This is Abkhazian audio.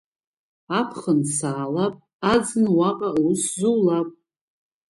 Аԥхын саалап, аӡын уаҟа аус зулап.